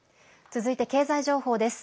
続いて経済情報です。